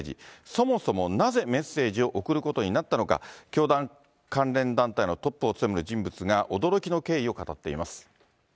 そもそもなぜメッセージを送ることになったのか、教団関連団体のトップを務める人物が驚きの経緯を語っています。